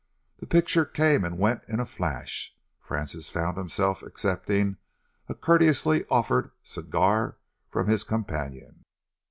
The picture came and went in a flash. Francis found himself accepting a courteously offered cigar from his companion.